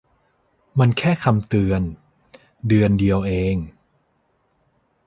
มันแค่คำเตือน เดือนเดียวเอง